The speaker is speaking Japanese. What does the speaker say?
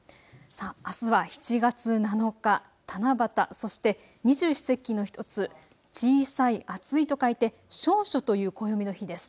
あすは７月７日、七夕、そして二十四節気の１つ、小さい暑いと書いて小暑という暦の日です。